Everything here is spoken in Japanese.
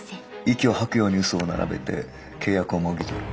息を吐くように嘘を並べて契約をもぎ取る。